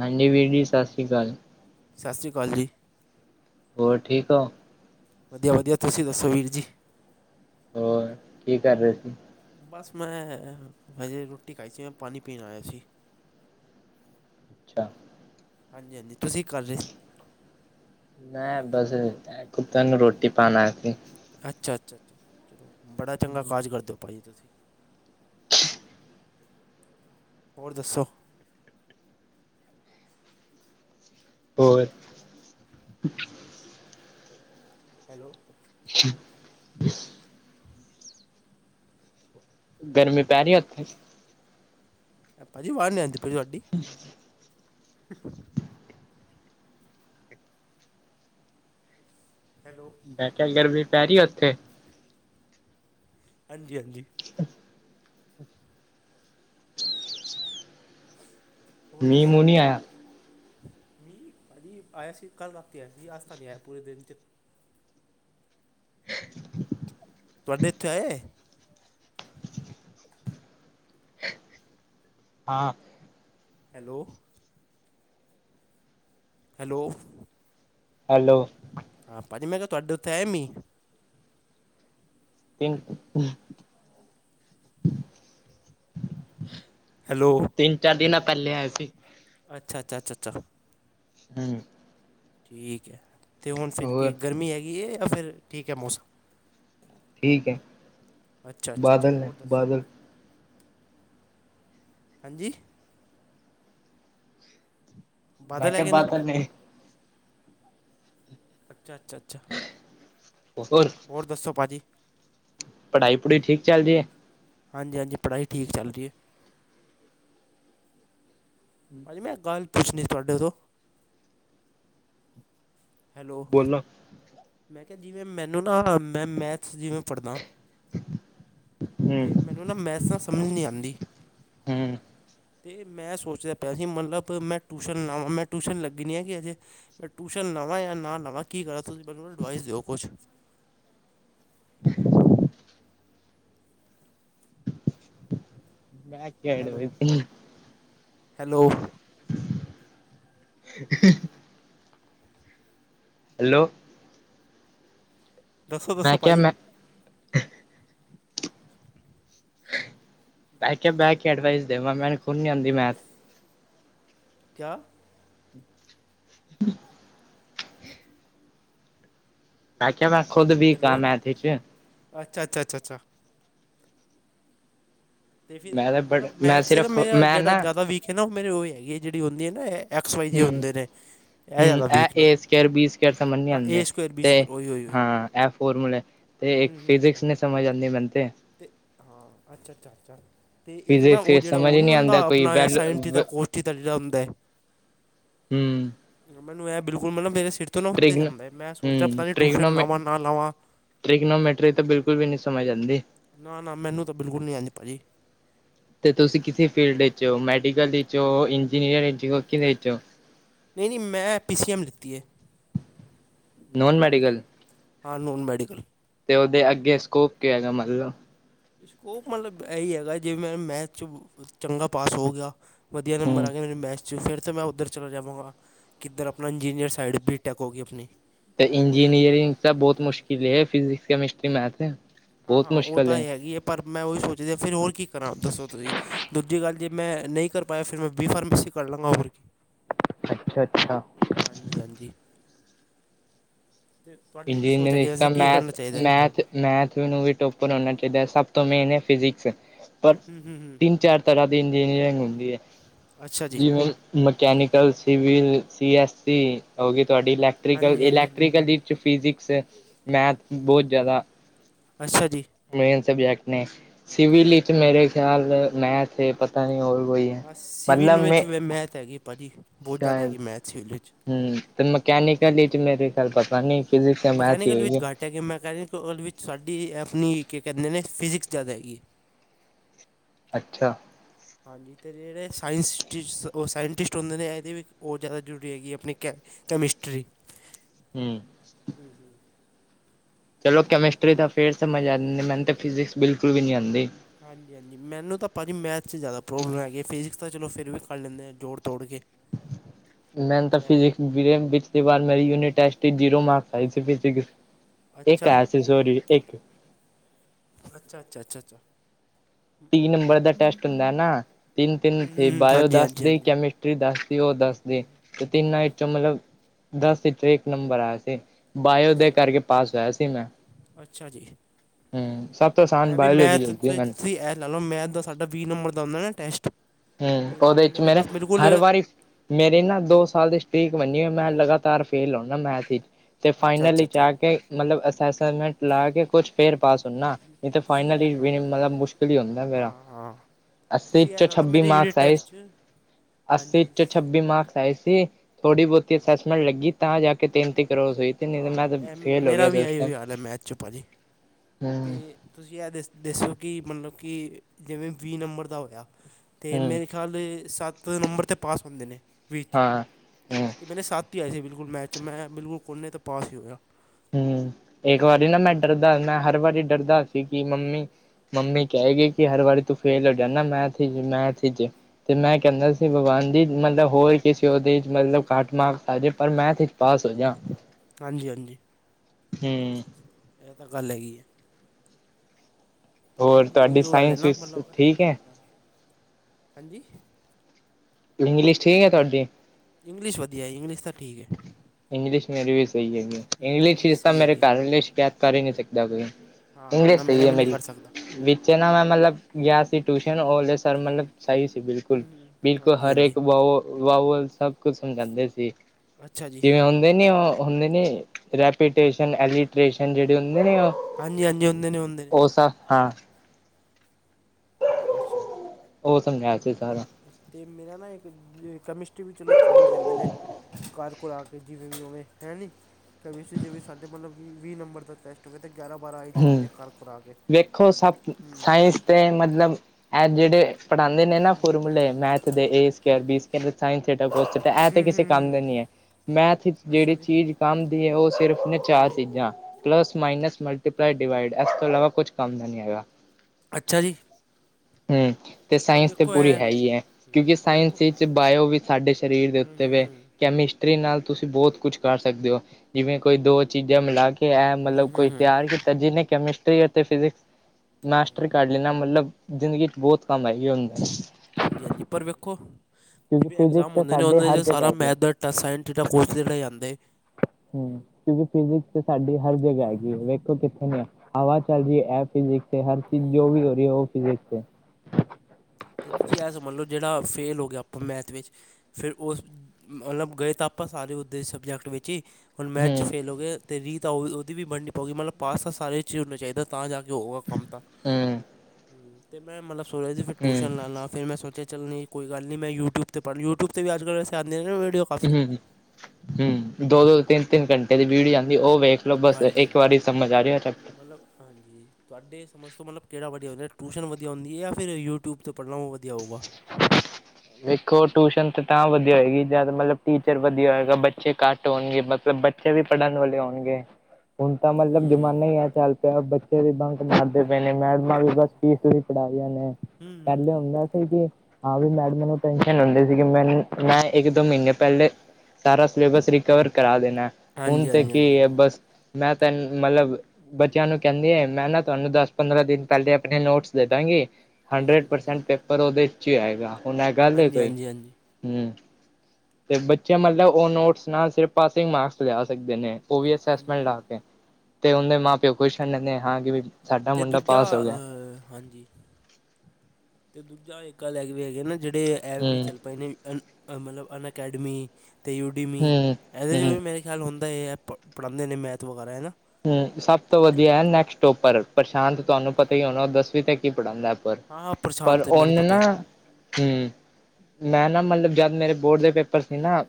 ਹਾਂਜੀ ਵੀਰ ਹੈਲੋ ਜੀ ਸਤਿ ਸ੍ਰੀ ਅਕਾਲ। ਸਤਿ ਸ਼੍ਰੀ ਅਕਾਲ ਜੀ। ਹੋਰ ਠੀਕ ਹੋ? ਵਧੀਆ-, ਵਧੀਆ ਤੁਸੀਂ ਦੱਸੋ ਵੀਰ ਜੀ? ਹੋਰ, ਕੀ ਕਰ ਰਹੇ ਸੀ? ਬਸ ਮੈਂ, ਹਜੇ ਰੋਟੀ ਖਾਈ ਸੀ ਮੈਂ ਪਾਣੀ ਪੀਣ ਆਇਆ ਸੀ। ਅੱਛਾ। ਹਾਂਜੀ-ਹਾਂਜੀ ਤੁਸੀਂ ਕੀ ਕਰ ਰਹੇ ਸੀ? ਨਾ ਬਸ, ਕੁੱਤਿਆਂ ਨੂੰ ਰੋਟੀ ਪਾਣ ਆਇਆ ਸੀ। ਅੱਛਾ ਅੱਛਾ ਅੱਛਾ ਚਲੋ ਬੜਾ ਚੰਗਾ ਕਾਜ ਕਰਦੇ ਓ ਭਾਅ ਜੀ ਤੁਸੀਂ। ਹੋਰ ਦੱਸੋ। ਹੋਰ। ਹੈਲੋ [unintelligible] ਗਰਮੀ ਪੈ ਰਹੀ ਹੈ ਉੱਥੇ? ਭਾਜੀ ਆਵਾਜ਼ ਨਹੀਂ ਆਂਦੀ ਪਈ ਤੁਹਾਡੀ। ਹੈਲੋ। ਮੈਂ ਕਿਹਾ ਗਰਮੀ ਪੈ ਰਹੀ ਹੈ ਉੱਥੇ? ਹਾਂਜੀ-ਹਾਂਜੀ [unintelligible] [unintelligible] ਹੋਰ ਮੀਂਹ ਮੂੰਹ ਦੱਸੋ। ਨੀ ਆਇਆ ਮੀਂਹ ਭਾਜੀ ਆਇਆ ਸੀ ਕੱਲ ਰਾਤੀ ਆਇਆ ਸੀ ਅੱਜ ਤਾਂ ਨੀ ਆਇਆ ਪੂਰੇ ਦਿਨ ਚ। [unintelligible] ਤੁਹਾਡੇ ਇੱਥੇ ਆਇਆ ਏ? [unintelligible] ਹਾਂ ਹੈਲੋ ਹੈਲੋ ਹੈਲੋ ਹਾਂ ਭਾਜੀ ਮੈਂ ਕਿਹਾ ਤੁਹਾਡੇ ਉੱਥ ਆਇਆ ਮੀਂਹ? [unintelligible] ਹੈਲੋ ਤਿੰਨ-ਚਾਰ ਦਿਨਾਂ ਪਹਿਲੇ ਆਇਆ ਸੀ। ਅੱਛਾ ਅੱਛਾ ਅੱਛਾ ਅੱਛਾ। ਹਮ। ਠੀਕ ਹੈ ਅਤੇ ਹੁਣ ਫਿਰ ਹੋਰ ਕੀ ਗਰਮੀ ਹੈਗੀ ਹੈ ਜਾਂ ਫਿਰ ਠੀਕ ਹੈ ਮੌਸਮ- ਠੀਕ ਹੈ ਅੱਛਾ ਅੱਛਾ ਅੱਛਾ ਬਾਦਲ ਹੋਰ ਦੱਸੋ ਬਾਦਲ। ਹਾਂਜੀ। ਮੈਂ ਬਾਦਲ ਕਿਹਾ ਹੈਗੇ ਬਾਤ ਨੇ [unintelligible] ਅੱਛਾ-ਅੱਛਾ- ਅੱਛਾ। ਤ ਫਰ ਹੋਰ ਦੱਸੋ ਭਾਜੀ! ਪੜ੍ਹਾਈ ਪੜ੍ਹੂਈ ਠੀਕ ਚੱਲਦੀ ਏ। ਹਾਂਜੀ- ਹਾਂਜੀ ਪੜ੍ਹਾਈ ਠੀਕ ਚੱਲ ਰਹੀ ਹੈ। ਭਾਜੀ ਮੈਂ ਗੱਲ ਪੁੱਛਣੀ ਤੁਹਾਡੇ ਤੋਂ! ਹੈਲੋ। ਬੋਲੋ ਮੈਂ ਕਿਹਾ ਜਿਵੇਂ ਮੈਨੂੰ ਨਾ ਮੈਂ ਮੈਥਸ ਜਿਵੇਂ ਪੜ੍ਹਦਾ ਹਮ ਤੇ ਮੈ ਔਨਾ ਮੈਥਸ ਤਾਂ ਸਮਝ ਨਹੀਂ ਆਂਦੀ। ਹਮ ਤੇ ਮੈਂ ਸੋਚਦਾ ਪਿਆ ਅਸੀ ਮਤਲਬ ਮੈਂ ਟਿਊਸ਼ਨ ਲਾਵਾ ਮੈਂ ਟਿਊਸ਼ਨ ਲੱਗੀ ਨਹੀਂ ਹੈ ਅਜੇ। ਮੈਂ ਟਿਊਸ਼ਨ ਲਾਵਾਂ ਯਾ ਨਾ ਲਾਵਾਂ ਕੀ ਕਰਾ ਤੁਸੀਂ ਮੈਨੂੰ ਨਾ ਅਡਵਾਈਸ ਦਿਓ ਕੁਛ। ਮੈਂ ਕਿਹਆ ਹੈਲੋ ਹੈਲੋ [unintelligible] ਹੈਲੋ। ਦੱਸੋ- ਮੈਂ ਦੱਸੋ ਕਿਹਾ ਪਾਜੀ। ਮੈਂ [inaudible] ਮੈ ਕੇਯਾ ਮੈ ਕੀ ਐਡਵਾਈਜ਼ ਦੇਵਾ ਮੈਨੂੰ ਖੁਦ ਨੀ ਆਂਦੀ ਮੈਥ- ਕਿਯਾ। [unintelligible] ਮੈਂ ਕਿਯਾ ਮੈਂ ਖੁਦ ਵੀਕ ਆ ਹੈਲੋ ਮੈਥ ਚ ਅੱਛਾ- ਅਛਾ- ਅਛਾ। ਏਹੀ ਐ ਮੈਂ ਤਾਂ ਬੜ ਮਤਲਬ ਮੈਂ ਮੈਥ 'ਚ ਨਾ ਸਿਰਫ ਮੇਰਾ ਮੈਂ ਜਿਹੜਾ ਨਾ ਜ਼ਿਆਦਾ ਵੀਕ ਹੈ। ਨਾ ਔਹ ਮੇਰੀ ਔਹ ਹੈਗੀ ਹੈ, ਜਿਹੜੀ ਹੁੰਦੀ ਹੈ ਨਾ। ਐਕਸ ਵਾਈ ਜੇ ਹਮ ਹੁੰਦੇ ਨੇ ਐ ਹਮ ਜ਼ਿਆਦਾ ਵੀਕ ਇਹ ਨੇ, ਏ ਸਕੇਅਰ ਬੀ ਸਕੇਅਰ ਸਮਝ ਨੀ ਹਾਂ ਏ ਆਉਂਦੇ ਸੁਕੇਰ ਬੀ ਤੇ ਸੁਕੇਰ ਔਹੀ ਔਈ, ਔਈ। ਹਾਂ ਇਹ ਫੋਰਮੂਲੇ ਤੇ ਇੱਕ ਫਿਜਿਕਸ ਨੀ ਸਮਝ ਆਉਦੀ ਮੈਨੂੰ ਤੇ। ਤੇ ਅ ਹਾਂ ਅੱਛਾ -ਅੱਛਾ -ਅੱਛਾ। ਤੇ ਇੱਕ ਨਾ ਔ ਫਿਜਿਕਸ ਜਿਹੜਾ ਸਮਝ ਔਹ ਹੀ ਨਹੀਂ ਹੁੰਦਾ ਆਉਂਦਾ ਕੋਈ ਆਪਣਾ well sine theta, cos theta ਜਿਹੜਾ ਹੁੰਦਾ। ਹਮ। ਮੈਨੂੰ ਇਹ ਬਿਲਕੁਲ ਮਤਲਬ ਮੇਰੇ ਸਿਰ ਤੋਂ ਨਾ ਉਤੇ ਟ੍ਰਿਗਨ ਜਾਂਦਾ ਮੈਂ ਸੋਚਦਾ ਪਤਾ ਨਹੀਂ ਟਿਊਸ਼ਨ ਲਾਵਾਂ ਨਾ ਲਾਵਾਂ। ਟ੍ਰਿਗਨੋਮੀੈਟਰੀ ਤਾਂ ਬਿਲਕੁਲ ਵੀ ਨੀ ਸਮਝ ਆਂਦੀ। ਨਾ ਨਾ ਮੈਨੂੰ ਤਾਂ ਬਿਲਕੁਲ ਨਹੀਂ ਆਂਦੀ ਭਾਜੀ। ਤੇ ਤੁਸੀਂ ਕਿਸੇ ਫੀਲਡ ' ਹੋ ਮੈਡੀਕਲ ਵਿੱਚੋਂ ਹੋ ਇੰਜੀਨੀਅਰਿੰਗ ਹੋ ਕਿਦੇ ਚ ਹੋ। ਨਹੀਂ ਨਹੀਂ ਮੈਂ 'ਪੀ ਸੀ ਐੱਮ 'ਲਿਤੀ ਹੈ। Non medical. ਹਾਂ ਨੋਨ ਮੈਡੀਕਲ। ਤੇ ਔਦੇ ਅੱਗੇ ਸਕੋਪ ਕੀ ਹੈਗਾ ਮਤਲਬ? ਸਕੋਪ ਮਤਲਬ ਇਹੀ ਹੈਗਾ ਜਿਵੇਂ ਮੈਂ ਮੈਥ 'ਚ ਚੰਗਾ ਪਾਸ ਹੋ ਗਿਆ। ਵਧੀਅਆ ਨੰਬਰ ਹੂੰ ਆ ਗਿਆ ਮੇਰੇ ਮੈਥ ਚ ਫਿਰ ਤਾਂ ਮੈਂ ਉਧਰ ਚਲਾ ਜਾਵਾਂਗਾ ਕਿੱਧਰ ਆਪਣਾ ਇੰਜੀਨੀਅਰ ਸਾਈਡ ਬੀਟੈਕ ਹੋ ਗਈ ਆਪਣੀ। ਤੇ ਅਤੇ ਇੰਜੀਨੀਅਰਿੰਗ ਤਾਂ ਬਹੁਤ ਮੁਸ਼ਕਿਲ ਹੈ ਫਿਜਿਕਸ, ਕੇਮਿਸਟਰੀ, ਮੈਥ। ਹਾਂ ਬਹੁਤ ਹਾਂ ਔਹ ਮੁਸ਼ਕਿਲ ਤਾਂ ਹੈਗੀ ਹੈ ਪਰ ਮੈਂ ਉਹੀ ਸੋਚਦੀ ਹਾਂ ਫਿਰ ਹੋਰ ਕੀ ਕਰਾਂ ਦੱਸੋ ਤੁਸੀਂ। ਦੂਜੀ ਗੱਲ ਜੇ ਮੈਂ ਨਹੀਂ ਕਰ ਪਾਇਆ ਫਿਰ ਮੈਂ ਬੀ ਫਾਰਮੇਸੀ ਕਰ ਲਾਂਗਾ ਹੋਰ ਕੀ। ਅੱਛਾ- ਅੱਛਾ। ਹਾਂਜੀ -ਹਾਂਜੀ ਤੇ ਤੁਹਾਡੀ ਕੀ ਸੋਚ ਇੰਜੀਨੀਅਰਿੰਗ ਹੈਗੀ ਤਾਂ ਵਸੇ ਕੀ ਕਰਨਾ ਮੈਥ ਚਾਹੀਦੈ। ਮੈਥ ਮੈਥ ਨੂੰ ਵੀ ਟੋਪਰ ਹੋਉਣਾ ਚਾਹੀਦਾ ਹੈ ਸਭ ਤੋਂ ਮੇਨ ਹੈ ਫਿਜ਼ਿਕਸ ਐ। ਪਰ ਹੂੰ ਹੂੰ ਹੂੰ ਤਿੰਨ ਚਾਰ ਤਰ੍ਹਾਂ ਦੀ ਇੰਜੀਨੀਅਰਿੰਗ ਹੁੰਦੀ ਹੈ ਅੱਛਾ ਜੀ ਜਿਵੇਂ, mechanical, civil C S E, ਹੋ ਗਈ ਤੁਹਾਡੀ ਇਲੈਕਟ੍ਰੀਕਲ ਹਾਂਜੀ ਹਾਂਜੀ ਹਾਂਜੀ ਇਲੈਕਟ੍ਰੀਕਲ ਦੀ ਤੇ ਫਿਜਿਕਸ ਮੈਥ ਬੋਤ ਜੈਦਾ। ਅੱਛਾ ਜੀ ਮੇਨ ਸਬਜੈਕਟ ਨੇ, ਸਿਵਲ ਅਤੇ ਇਚ ਮੇਰੇ ਖਿਆਲ ਮੈਥ ਏ ਪਤਾ ਨੀ ਹੋਰ ਕੋਈ। ਹੈ ਸਿਵਲ ਮਤਲਬ ਮੈਂ ਵਿੱਚ ਮੈਥ ਹੈਗੀ ਭਾਜੀ ਬਹੁਤ ਜੈਦਾ ਹੈਗੀ ਮੈਥ ਸਿਵਲ ਵਿੱਚ। ਹੁ ਤੇ ਮਕੈਨੀਿਕਲ ਹਾਂਜੀ ਇਚ ਮੇਰੇ ਖਿਆਲ ਪਤਾ ਨੀ। ਮਕੈਨੀਕਲ ਵਿੱਚ ਘੱਟ। ਤਾਂ ਕਿ ਮੈਕੈਨੀਿਕਲ ਵਿੱਚ ਸਾਡੀ ਅਪਨੀ ਕੀ ਕਹਿੰਦੇ ਨੇ ਫਿਜ਼ਿਕਸ ਜ਼ਿਆਦਾ ਹੈਗੀ। ਅੱਛਾ। ਹਾਂਜੀ ਤੇ ਜਿਹੜੇ ਸਾਇੰਸਟ ਉਹ ਸਾਇੰਟਿਸਟ ਹੁੰਦੇ ਨੇ ਇਹਦੇ ਵਿਚ ਉਹ ਜ਼ਿਆਦਾ ਜ਼ਰੂਰੀ ਹੈਗੀ ਅਪਨੀ ਕੈ ਕੈਮਿਸਟਰੀ। ਹੁ। [unintelligible] [unintelligible] ਚਲੋ ਕੈਮਿਸਟਰੀ ਤਾਂ ਫੇਰ ਸਮਝ ਆਂਦੀ ਮੈਨੂੰ ਤੇ ਫਿਜ਼ਿਕਸ ਬਿਲਕੁਲ ਵੀ ਨਹੀਂ ਆਂਦੀ। ਹਾਂਜੀ ਹਾਂਜੀ ਮੈਨੂੰ ਤਾਂ ਭਾਜੀ ਮੈਥ 'ਚ ਜ਼ਿਆਦਾ ਪ੍ਰੋਬਲਮ ਹੈਗੀ ਹੈ ਫਿਜ਼ਿਕਸ ਤਾਂ ਚਲੋ ਫਿਰ ਵੀ ਕਰ ਲੈਂਦੇ ਹਾਂ ਜੋੜ ਤੋੜ ਕੇ। [inaudible] [inaudible] ਮੈਨ ਤਾਂ ਮੈਂ ਫਿਜੀਕਸ ਪਿਛਲੀ ਵਾਰ ਮੇਰੀ ਯੂਨਿਟ ਟੈਸਟ ਇਚ ਜੀਰੋ ਮਾਰਕਸ ਆਏ ਸੀ ਫਿਜੀਕਸ। ਇੱਕ ਅੱਛਾ ਹੈ ਸੀ ਸੋਰੀ ਇੱਕ ਅੱਛਾ, ਅੱਛਾ, ਅੱਛਾ, ਅੱਛਾ। ਤੀਹ ਨੰਬਰ ਦਾ ਟੈਸਟ ਹੁੰਦਾ ਨਾ। ਤਿੰਨ ਤਿੰਨ ਹੂੰ ਸੀ ਹੂੰ ਬਾਇਓ ਹਾਂਜੀ ਦੱਸ ਹਾਂਜੀ ਦੇ, ਹਾਂਜੀ ਕੇਮਿਸਟਰੀ ਦੱਸ ਦੇ, ਉਹ ਦੱਸ ਦੇ। ਤੇ ਹਾਂ ਤਿੰਨਾ ਹਾਂ ਇਚੋ ਮਤਲਬ। ਦਸ ਇਚੋ ਇੱਕ ਨੰਬਰ ਆਇਆ ਸੀ ਬਾਇਓ ਦੇ ਦੱਸੋ ਕਰਕੇ ਪਾਸ ਹੋਇਆ ਸੀ ਮੈਂ। ਅੱਛਾ ਜੀ! ਹਮ ਸਭ ਤੋਂ ਆਸਾਨ ਮੈਂ ਵੀ ਬਾਇਓਲੋਜੀ ਮੈਂਥ ਲੱਗਦੀ ਤੇ ਮੈਨੂੰ ਥਰੀ ਅ ਲਾ ਲਓ ਮੈਥ ਦਾ ਸਾਡਾ ਵੀਹ ਨੰਬਰ ਦਾ ਹੁੰਦਾ ਨਾ ਟੈਸਟ। ਹੁ ਅਤੇ ਉਹਦੇ ਚ ਮੇਰੇ ਬਸ ਬਿਲਕੁਲ ਹਰ ਵਾਰੀ ਮੇਰੇ ਨਾ ਦੋ ਸਾਲ ਦੇ ਸਟੀਕ ਮੰੰਨੀ ਆ ਮੈਂ ਲਗਾਤਾਰ ਫੇਲ ਹੋਗਾ ਮੈਥ ਇਚ ਤੇ ਅੱਛਾ ਫਾਈਨਲ ਅੱਛਾ ਇਚ ਅੱਛਾ ਆ ਕੇ ਮਤਲਬ ਅਸੈਂਸਮੈਂਟ ਲਾ ਕੇ ਕੁਛ ਫੇਰ ਪਾਸ ਹੁਨਾ। ਹੂੰ ਨਹੀਂ ਤੇ ਤੁਸੀਂ ਫਾਈਨਲ ਇਹ ਇਚ ਹਾਂ ਮਲਬ ਮੁਸ਼ਕਿਲ ਹੀ ਹੁੰਦਾ ਮੇਰਾ ਹਾਂ ਹਾਂ ਅੱਸੀ ਤੁਸੀਂ ਇਹ ਚੋ ਲਾ ਲਓ ਮੇਰੇ ਮਾਰਕ ਯੂਨਿਟ ਟੈਸਟ 'ਚ ਅੱਸੀ ਹਾਂਜੀ ਤੋਂ ਛੱੀ [inaudible] [unintelligible] ਵੀ ਮਾਰਕਸ ਆਏ ਸੀ ਥੋੜੀ ਬਹੁਤੀ ਅਸੈਸਮੈਂਟ ਲੱਗੀ ਤਾਂ ਜਾ ਕੇ ਤੇਂਨਤੀ ਕਰੋਸ ਹੋਏ। ਇਨੀ ਗਲਾਂ ਹਾਂ ਤੋ ਇਹ ਫੇਲ ਹੋ ਗਿਆ ਮੇਰਾ ਵੀ ਸੀ ਉਸ ਟਾਈਮ। ਹੂੰ, ਤੇ ਤੁਸੀਂ ਇਹ ਦ ਦੱਸੋ ਕਿ ਮਲਬ ਕਿ ਜਿਵੇਂ ਵੀਹ ਨੰਬਰ ਦਾ ਹੋਇਆ ਤੇ ਹੂੰ, ਮੇਰੇ ਖਿਆਲ ਸੱਤ ਨੰਬਰ ਤੇ ਪਾਸ ਹੁੰਦੇ ਨੇ ਵੀਹ 'ਚ ਹਾਂ, ਹੂੰ, ਤੇ ਮੇਰੇ ਸਤ। ਤੀ ਆਈ ਸੀ ਬਿਲਕੁਲ ਮੈਥ ਚ ਬਿਲਕੁਲ ਕੋਨੇ ਤੇ ਪਾਸ ਹੀ ਹੋਇਆ। ਹੁ ਇੱਕ ਵਾਰੀ ਨਾ ਮੈਂ ਡਰਦਾ ਮੈਂ ਹਰ ਵਾਰੀ ਡਰਦਾ ਸੀ ਕਿ ਮੰਮੀ ਮੰਮੀ ਕਹਿਗੀ ਕਿ ਹਰ ਵਾਰੀ ਤੂੰ ਫੇਲ ਹੋ ਜਾਨਾ ਮੈਂਥ ਇਚ ਮੈਂਥ ਇਚ। ਤੇ ਮੈਂ ਕਹਿੰਦਾ ਸੀ ਭਗਵਾਨ ਜੀ ਮਲਬ ਹੋਰ ਕਿਸੇ ਅਹੁਦੇ 'ਚ ਮਤਲਬ ਘੱਟ ਮਾਰਕਸ ਆ ਜਾਏ ਪਰ ਮੈਂਥ ਇਚ ਪਾਸ ਹੋ ਜਾ ਹਾਂਜੀ ਹਾਂਜੀ। ਹੁ ਇਹ ਤਾਂ ਗੱਲ ਹੈਗੀ ਹੈ। ਪਰ ਹੋਰ ਭਾਜੀ ਤੁਹਾਡੀ ਉਹੀਓ ਗੱਲ ਹੈ ਸਾਇੰਸ ਨਾ ਮਤਲਬ ਠੀਕ ਐ? ਹਾਂਜੀ। ਇੰਗਲਿਸ਼ ਠੀਕ ਹੈ ਤੁਹਾਡੀ ਇੰਗਲਿਸ਼ ਵਧੀਆ ਹੈ ਇੰਗਲਿਸ਼ ਤਾਂ ਠੀਕ ਹੈ ਇੰਗਲਿਸ਼ ਮੇਰੀ ਵੀ ਸਹੀ ਹੈਗੀ ਇੰਗਲਿਸ਼ ਇਚ ਤਾਂ ਸਹੀ ਮੇਰੇ ਹੈਗੀ ਹੈ ਘਰਵਾਲੇ ਸ਼ਿਕਾਇਤ ਕਰ ਹੀ ਨਹੀਂ ਸਕਦਾ ਕੋਈ ਹਾਂ ਇੰਗਲਿਸ਼ ਨਾ ਸਹੀ ਮੇਰਾ ਹੈ ਵੀ ਨਹੀਂ ਮੇਰੀ ਕਰ ਸਕਦਾ ਵਿੱਚ ਨਾ ਮੈਂ ਮਲਬ ਗਿਆ ਸੀ ਟਿਊਸ਼ਨ ਓਹ ਵਾਲੇ ਸਰ ਮਲਬ। ਸਹੀ ਸੀ ਬਿਲਕੁਲ ਬਿਲਕੁਲ ਹਾਂਜੀ ਹਾਂਜੀ ਹਰੇਕ ਵ ਵਾਵਲ ਸਭ ਕੁਛ ਸਮਝਾਂਦੇ ਸੀ। ਅੱਛਾ ਜੀ ਜਿਵੇਂ ਹੁੰਦੇ ਨੇ ਉਹ ਹੁੰਦੇ ਨੇ ਰੈਪੀਟੇਸ਼ਨ ਐਲੀਟਰੇਸ਼ਨ ਜਿਹੜੇ ਹੁੰਦੇ ਨੇ ਉਹ ਹਾਂਜੀ ਹਾਂਜੀ ਹੁੰਦੇ ਨੇ ਹੁੰਦੇ ਨੇ ਓਸਾ ਹਾਂ ਅੱਸਾ਼ ਜੀ। ਓ ਸਮਝਾ ਸੀ ਸਾਰਾ। ਤੇ ਮੇਰਾ ਨਾ ਏੱਕ ਅ ਕੈਮਿਸਟ੍ਰੀ ਵਿੱਚ ਲੋਕਾਂਂ ਦੀ ਕਰ ਹੀ ਲੈਂਦੇ ਨੇ ਕਾਰ ਕੁਰਾਕੇ ਤੇ ਜਿਵੇਂ ਵੀ ਓਵੇਂ ਹੈਂ ਨੀ, ਕੈਮਿਸਟ੍ਰੀ ਜਿਵੇਂ ਸਾਡੇ ਮਤਲਬ ਕਿ ਵੀਹ, ਨੰਬਰ ਦਾ ਟੈਸਟ ਟੂਰ ਤੇ ਗੇਆਰਾਂ-ਬਾਰਾਂ ਆਈ ਕਰਨੇ ਹਮ ਨੇ ਕਰਕੂਰਾ ਕੇ ਵੇਖੋ ਸਭ ਹੂੰ ਸਾਇੰਸ ਤੇ ਮਤਲਬ, ਐ ਜੇੜੇ ਪੜਾਂਦੇ ਨੇ ਨਾ ਹੂੰ ਫੋਰਮੂਲੇ ਮੈਥ ਦੇ A square, B square [unintelligible] science theta cos theta ਐ ਤੇ ਹੂੰ, ਕਿਸੇ ਕੰਮ ਦੇ ਹੂੰ ਨੀ ਐ, ਮੈਥ ਚ ਅੱਛਾ ਜੇੜੀ ਜੀ ਚੀਜ ਕਾੰਮ ਦੀ ਏ ਓ ਸਿਰਫ ਨੇ ਚਾਰ ਹਾਂਜੀ ਚੀਜਾਂ ਪਲੱਸ, ਮਾਈਨਸ, ਮਲਟੀ ਸੈਂਪਰਟ, ਡਿਵਾਈਡ ਐਸ ਤੋਂ ਇਲਾਵਾ ਕੁੱਛ ਕੰਮ ਦਾ ਨੀ ਹੈਗਾ। ਅੱਛਾ ਜੀ। ਹੂੰ, ਤੇ ਪਰ ਸਾਇੰਸ ਤੇ ਵੇਖੋ ਪੂਰੀ ਹੈ ਈ ਐ, ਕਿਉਕਿ ਹੂੰ, ਪਰ ਵੇਖੋ ਸਾਇੰਸ ਈਚ ਤੇ ਬਾਏਓ ਵੀ ਸਾਡੇ ਸ਼ਰੀਰ ਦੇ ਹੂੰ ਉੱਤੇ ਹੂੰ ਵੇ। ਹੂੰ ਕੈਮਿਸਟ੍ਰੀ ਨਾਲ ਤੁਸੀਂ ਬੋਤ ਕੁਛ ਕਰ ਸਕਦੇ ਓ, ਜਿਵੇਂ ਕੋਈ ਦੋ ਚੀਜ਼ਾਂ ਮਿਲਾ਼ ਕੇ ਏ ਆ ਹੂੰ ਮਲੱਬ ਹੂੰ ਕੋਈ ਹੂੰ ਤੇਆਰ ਕੀਤਾ ਜਿਨੇ ਕੈਮਿਸਟ੍ਰੀ ਅਤੇ ਫਿਜਿ਼ਕਸ, ਮਾਸਟਰੀ ਕਢ ਨਾ ਮਤਲਬ ਜ਼ਿੰਦਗੀ ਚ ਬੋਤ ਕੰਮ ਆ ਹੁੰਦਾ। ਹਾਂਜੀ-ਹਾਂਜੀ, ਪਰ ਵੇਖੋ ਕਿਉਂਕਿ ਜਿਵੇਂ ਫਿਜਿਕਸ ਐਗਜ਼ਾਮ ਤਾਂ ਹੋਂਦੇ ਨੇ ਸਾਡੇ ਓਨਾਂ ਹਰ 'ਚ ਜਗ੍ਹਾ ਸਾਰਾ ਹੈਗੀ ਹੈ ਮੈਥ ਦਾ ਤਾਂ ਸਾਇੰਸ [unintelligible] ਕੋਰਸ ਦੇ ਲੇ ਜਾਂਦੇ। ਹੂੰ, ਕਿਉਂਕਿ ਫਿਜਿਕਸ ਤੇ ਸਾਡੀ ਹਰ ਜਗਾ ਹਾਂ ਹੈਗੀ ਏ ਹਾਂਜੀ ਵੇਖੋ ਕਿੱਥੇ [unintelligible] ਆਵਾਜ਼ ਚੱਲ ਰਈ ਐ ਫਿਜਿਕਸ ਤੇ ਹਰ ਹੂੰ ਚੀਜ ਜੋ ਵੀ ਹੂੰ ਹੋ ਰਈ ਐ ਓ ਫਿਜਿਕਸ ਤੇ ਤੇ ਤੁਸੀਂ ਐ ਸਮਜ ਲੋ ਜੇੜਾ ਫੇਲ ਹੋ ਗੇਆ ਆਪਾਂ ਮੈਥ ਵਿੱਚ ਫੇਰ ਓਸ ਮਲਬ ਗਏ ਆਪਾਂ ਸਾਰੇ ਓਦੇ ਸਬਜੈਕਟ ਵਿੱਚ ਈ, ਹੋਣ ਮੈਂਥ ਚ ਹਮ ਫੇਲ ਹੋ ਗਏ ਤੇ ਰੀਹ ਤਾਂ ਓ ਓਦੀ ਵੀ ਬਣਨੀ ਪਊਗੀ, ਮਤਲਬ ਪਾਸ ਤਾਂ ਸਾਰੇਆਂ 'ਚ ਈ ਹੋਨਾ ਚਈਦਾ ਤਾਂ ਜਾ ਕੇ ਹੋਊਗਾ ਕੰਮ ਤਾਂ। ਹੂੰ। ਹੂੰ, ਤੇ ਮੈਂ ਮਲਬ ਸੋਆ ਹਮ ਟੂਸ਼ਨ ਲੈਲਾ ਫੇਰ ਮੈਂ ਸੋਚੇਆ ਚੱਲ ਨਈ ਕੋਈ ਗਾੱਲ ਨਈ ਮੈਂ ਯੂਟਿਊਬਤੇ ਪੜਲੂ ਯੂਟੂਊਬ ਵੀ ਆੱਜੱ-ਕਾੱੱਲ ਵੈੇ ਆਂਦੇ ਨੇ ਨਾ ਵੀੜੀਓ ਹੂੰ, ਹੂੰ ਦੋ-ਦੋ, ਤਿੰਨ-ਤਿੰਨ ਘੰਟੇ ਦੀ ਵੀੜੀ ਆਂਦੀ ਓ ਵੇਖ ਮਲਬ ਬੱਸ ਏਕ ਵਾਰੀ ਸਮਝ ਆਰੇਆ ਮਲਬ, ਹਾਂਜੀ। ਕਿ ਤੁਆਡੇ ਸਮਝ ਤੋਂ ਮਲਬ ਕੇੜਾ ਵਦੀਆ ਹੋ ਜਾਂਦਾ, ਟਊਸ਼ਨ ਵਦੀਆ ਹੁੰਦੀ ਏ ਯਾ ਫੇਰ ਯੂਟਿਊਬ 'ਤੇ ਪੜ੍ਹਣਾ ਓ ਵਦੀਆ ਹੋਊਗਾ? ਵੇਖੋ ਟੂਸ਼ਨ ਤੇ ਤਾਂ ਵਦੀਆ ਹੋਏਗੀ ਜਾਂ ਮਲਬ ਟੀਚਰ ਵਦੀਆ ਹੋਏਗਾ ਬ ਬੱਚੇ ਘਾੱਟ ਹੋਨਗੇ ਮਤਲਬ ਬੱਚੇ ਵੀ ਪੜ੍ਹਨ ਵਾਲੇ ਹੋਣਗੇ, ਹੁਣ ਤਾਂ ਮਤਲਬ ਹੂੰ ਜਮਾਨਾ ਈ ਐਸਾ ਚੱਲ ਬੱਚੇ ਵੀ ਬੰਕ ਮਾਰਦੇ ਪਏ ਨੇ, ਮੈੜਮਾਂ ਵੀ ਹਾਂਜੀ ਬਸ ਹੂੰ ਫੀਸ ਲਈ ਪੜਾ ਰਿਆਂ ਨੇ ਹੂੰ, ਪੈਲੇ ਹੂੰ। ਹੁੰਦਾ ਕਿਉਂਕਿ, ਹਾਂ ਵੀ ਮੈਡਮਾ ਨੂੰ ਟੈਨਸ਼ਨ ਹੁੰਦੀ ਸੀਗੀ, ਮੈਨ ਮੈਂ ਇੱਕ-ਦੋ ਮ੍ਹੀਨੇ ਪੈਲੇ ਸਾਰਾ ਸਿਲੇਬਸ ਰਿਕਵਰ ਕਰਾ ਦੇਨੈ। ਹੁਨ ਹਾਂਜੀ ਤੇ ਹਾਂਜੀ ਕੀ ਹਾਂਜੀ ਏ ਬਸ ਮੈਂ ਤਾਂ ਮਲਬ ਬੱਚੇਆਂ ਨੂੰ ਕੈਂਦੀ ਏਨਾ ਨਾ ਤੁਹਾਨੂੰ ਦਸ-ਪੰਦਰਾਂ ਦਿਨ ਪੈਲੇ ਅਪਨੇ ਨੋਟਸ ਦੇ ਦਾਂਗੀ, ਹੂੰ ਹੰਡਰੇੜ ਹੂੰ ਹੂੰ ਪਰਸੈਂਟ ਪੇ ਪਰ ਓਦੇ ਚੀ ਹੈਗਾ, ਹੁਨ ਐ ਗਾੱਲ ਏ ਹਾਂਜੀ ਕੋਈ। ਹਾਂਜੀ ਹਾਂਜੀ ਹੂੰ, ਤੇ ਬੱਚੇ ਮਲਬ, ਓ ਨੋਟਸ ਨਾਲ ਸਿਰਫ ਪਾਸਿੰਗ ਮਾਰਕਸ ਲੇਆ ਸਕਦੇ ਨੇ ਓ ਵੀ ਅਸੈਸਮੈਂਟ ਹਾਂਜੀ ਲਾ ਕੇ, ਤੇ ਓਨੇ ਮਾਂ ਪੇਓ ਖੁੱਸ਼ ਰੈਂਦੇ ਨੇ ਹਾਂ ਕਿ ਵੀ ਸਾਡਾ ਮੁੰਡਾ ਪਾਸ ਹੋ ਗੇਆ। ਅ, ਹਾਂਜੀ। ਅਤੇ ਦੂਜਾ ਇੱਕ ਗੱਲ ਹੈਗ ਵੀ ਹੈਗੇ ਨੇ ਜੇੜੇ ਐਪ ਵੀ ਹੂੰ ਚੱਲ ਪਏ ਨੇ, ਅ ਮਤਲਬ ਅਨ ਅਕੈੜਮੀ ਤੇ ਯੂ ਡੀ ਮੀ, ਹੂੰ ਐਦੇ 'ਚ ਹੂੰ ਵੀ ਮੇਰੇ ਖੇਆਲ ਹੁੰਦੈ ਨੇ ਐਪ ਅ ਪੜਾਂਦੇ ਨੇ ਮੈਥ ਵਗੈਰਾ ਹੈ ਨਾ? ਹੂੰ, ਸਾਬ ਤੋਂ ਇਹ- ਵਦੀਆ ਹੈ ਨੈਕਸਟ ਟੋਪਰ ਪ੍ਰਸ਼ਾਂਤ ਤੁਹਾਨੂੰ ਪਤਾ ਈ ਹੋਨਾ ਦਸਵੀਂ ਤੱਕ ਈ ਪੜਾਂਦਾ। ਹਾਂ ਹਾਂ ਪਰ-ਪਰ ਪ੍ਰਸ਼ਾਂਤ ਮੈਨੂੰ ਓਨੇ ਪਤਾ ਨਾ, ਹੈ ਹੂੰ। ਮੈਂ ਨਾ ਮਤਲਬ ਜਦ ਮੇਰੇ ਬੋੜ ਦੇ ਪੇਪੱਰ ਸੀ ਨਾ,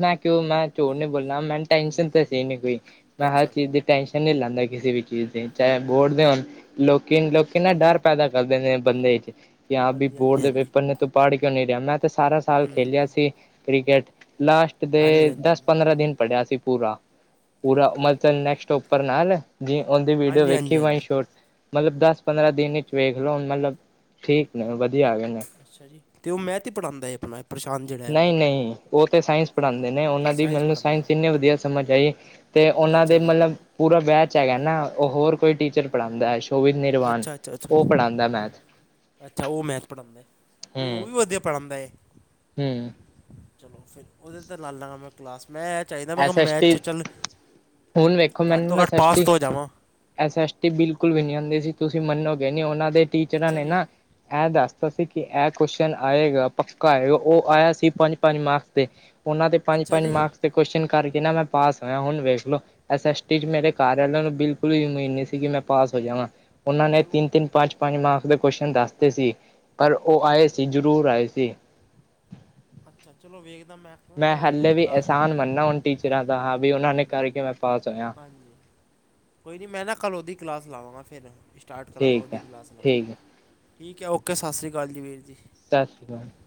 ਮੈਂ ਕਿਓ ਮੈਂ ਝੂਠ ਨੀ ਬੋਲਨਾ ਮੈ ਟੈਂਨਸ਼ਨ ਹੂੰ ਤੇ ਹੂੰ, ਸੀ ਨੀ ਕੋਈ, ਮੈਂ ਹਾਰ ਅੱਛਾ ਜੀ ਚੀਜ਼ ਦੀ ਟੈਂਸ਼ਨ ਨੀ ਲੈਂਦਾ ਕਿਸੇ ਵੀ ਚੀਜ਼ ਦੀ ਚਾਹੇ ਬੋੜ ਦੇ ਹੋਨ ਲੋਕੀ-ਲੋਕੀ ਨਾ ਡਾਰ ਪੈਦਾ ਕਰਦੇ ਨੇ ਬੰਦੇ ਚ ਕਿ ਹਾ ਬਈ ਹਾਂਜੀ ਬੋੜ ਹਾਂਜੀ ਦੇ ਹਾਂਜੀ ਪੇਪਰ ਨੇ ਤੂੰ ਪਾੜ ਕੇਓ ਨਈ ਰੇਆ, ਮੈਂ ਤੇ ਸਾਰਾ ਸਾਲ ਹੂੰ ਹੂੰ ਖੇਲੇਆ ਹੂੰ, ਸੀ ਕ੍ਰਿਕੇਟ ਲਾਸਟ ਦੇ ਹਾਂਜੀ ਹਾਂਜੀ ਹਾਂਜੀ ਦਾਸ-ਪੰਦਰਾਂ ਦਿਨ ਪੜੇਆ ਸੀ ਪੂਰਾ। ਅਤੇ ਪੂਰਾ ਮਤਲਬ ਨੈਕਸਟ ਉਪਰ ਨਾਲ ਜੀ। ਉਹਦੀ ਵੀਡੀਓ ਹਾਂਜੀ ਹਾਂਜੀ ਵੇਖੀ ਮ ਹਾਂਜੀ ਸ਼ੋਟ ਮਤਲਬ ਦਸ- ਪੰਦਰਾਂ ਦਿਨ ਵਿੱਚ ਵੇਖ ਲੋਓ। ਮਤਲਬ ਠੀਕ ਨੇ ਵਧੀਆ ਆ ਗਏ ਨੇ। ਅੱਛਾ ਜੀ ਤੇ ਉਹ ਮੈਂਥ ਹੀ ਪੜ੍ਹਾਉਂਦਾ ਹੈ ਆਪਣਾ ਪ੍ਰਸ਼ਾਂਤ ਜਿਹੜਾ ਹੈਗਾ ਨਹੀਂ- ਹੈ। ਨਹੀਂ। ਉਹ ਤੇ ਸਾਇੰਸ ਪੜ੍ਹਾਉਂਦੇ ਨੇ ਅੱਛਾ ਉਹਨਾਂ ਦੀ ਮੈਨੂੰ ਪੜ੍ਹਾਉਂਦਾ ਉਹ ਸਾਇੰਸ ਇੰਨੇ ਵਧੀਆ ਸਮਝ ਆਈ। ਤੇ ਉਹਨਾਂ ਦੇ ਅੱਛਾ ਜੀ ਮਤਲਬ ਪੂਰਾ ਬੈਚ ਹੈਗਾ ਨਾ। ਉਹ ਹੋਰ ਕੋਈ ਟੀਚਰ ਪੜ੍ਹਾਉਂਦਾ ਹੈ। ਸ਼ੋਭਿਤ ਨਿਰਵਾਨ ਅੱਛਾ, ਅੱਛਾ, ਅੱਛਾ, ਉਹ ਅੱਛਾ। ਪੜ੍ਹਾਉਂਦਾ ਮੈਥ ਅੱਛਾ ਉਹ ਮੈਥ ਪੜ੍ਹਉਂਦਾ ਅਤੇ ਉਹ ਵੀ ਵਧੀਆ ਪੜ੍ਹਾਉਂਦਾ ਏ। ਹੂੰ ਚਲੋ ਫਿਰ, ਉਹਦੇ ਤੇ ਲਾ ਲਾਂਗਾ ਮੈਂ ਕਲਾਸ। ਮੈਂ ਇਹ ਚਾਹੀਦਾ। ਮੈਂ ਕਿਹਾ ਐਸ ਐਸ ਮੈਥ ਟੀ 'ਚ ਚੱਲ ਘੱਟ ਤੋਂ ਘੱਟ ਪਾਸ ਤੋਂ ਹੋ ਜਾਵਾਂ। ਐਸ-ਐਸ ਟੀ ਬਿਲਕੁਲ ਵੀ ਨੀ ਆਦੀ ਸੀ। ਤੁਸੀਂ ਮੰਨੋਗੇ ਉਹਨਾਂ ਦੇ ਟੀਚਰਾਂ ਅੱਛਾ ਨੇ ਜੀ ਨਾ ਇਹ ਦੱਸਦਾ ਸੀ ਕਿ, ਇਹ ਕੁਸ਼ਨ ਆਏਗਾ ਪੱਕਾ ਆਏਗਾ। ਉਹ ਆਇਆ ਸੀ ਪੰਜ- ਪੰਜ ਮਾਰਕਸ ਦੇ ਉਹਨਾਂ ਤੇ ਪੰਜ ਅੱਛਾ -ਪੰਜ ਜੀ ਮਾਰਕਸ ਤੇ ਕੁਸ਼ਚਨ ਕਰਕੇ ਨਾ ਮੈਂ ਪਾਸ ਹੋਇਆ। ਹੁਣ ਵੇਖ ਲੋ ਐਸ ਐਸ ਟੀ ਚ ਹਮ, ਮੇਰੇ ਘਰ ਵਾਲਿਆ ਨੂੰ ਬਿਲਕੁਲ ਅਮੀਦ ਨ ਨਹੀਂ ਸੀ ਕਿ ਮੈਂ ਪਾਸ ਹੋ ਜਾਵਾਂ। ਉਹਨਾਂ ਨੇ ਚਲੋ ਤਿੰਨ-ਤਿੰਨ-ਪੰਜ ਪਜ ਮਾਰਕਸ ਦੇ ਕੁਸ਼ਚਨ ਦੱਸਦੇ ਸੀ ਪਰ ਉਹ ਆਏ ਸੀ ਜ਼ਰੂਰ ਆਏ ਸੀ। ਅੱਛਾ ਚਲੋ ਵੇਖਦਾ ਮੈਂ ਨਾ ਮੈਂ ਕੱਲ੍ਹ ਉਹਦੀ ਹਲੇੇ ਵੀ ਕਲਾਸ ਅਹਿਸਾਨ ਲਾਵਾਂਗਾ ਮੰਨਨਾ। ਉਹਨ ਟੀਚਰਾਂ ਦਾ ਹਾਂ ਵੀ ਉਹਨਾਂ ਨੇ ਕਰਕੇ ਮੈਂ ਪਾਸ ਹੋਇਆ। ਹਾਂਜੀ। ਕੋਈ ਨਹੀਂ ਮੈਂ ਨਾ ਕੱਲ੍ਹ ਉਹਦੀ ਕਲਾਸ ਲਾਵਾਂਗਾ। ਫਿਰ ਸਟਾਰਟ ਕਰਾਂਗਾ, ਠੀਕ ਉਹਦੀ ਹੈ ਕਲਾਸ ਲਾਉਣੀ। ਠੀਕ ਹੈ ਠੀਕ ਹੈ ਓਕੇ, ਸਤਿ ਸ਼੍ਰੀ ਅਕਾਲ ਜੀ ਵੀਰ ਜੀ। [unintelligible]